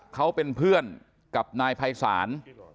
เขาเป็นเพื่อนกับนายภัยศาล